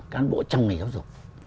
các bộ trong ngày giáo dục